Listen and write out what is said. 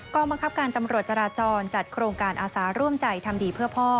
บังคับการตำรวจจราจรจัดโครงการอาสาร่วมใจทำดีเพื่อพ่อ